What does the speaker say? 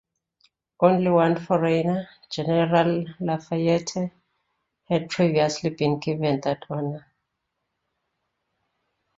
Only one foreigner, General Lafayette, had previously been given that honor.